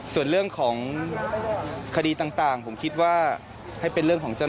ส่วนเรื่องของคดีต่างต่างผมคิดว่าให้เป็นเรื่องของเจ้า